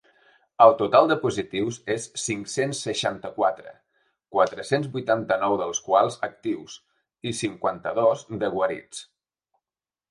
El total de positius és cinc-cents seixanta-quatre, quatre-cents vuitanta-nou dels quals actius i cinquanta-dos de guarits.